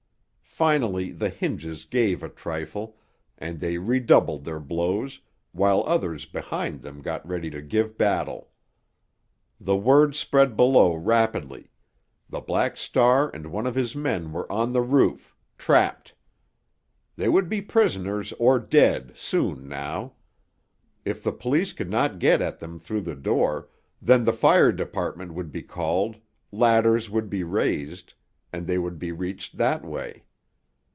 Finally the hinges gave a trifle, and they redoubled their blows, while others behind them got ready to give battle. The word spread below rapidly—the Black Star and one of his men were on the roof, trapped. They would be prisoners or dead soon now. If the police could not get at them through the door, then the fire department would be called, ladders would be raised, and they would be reached that way.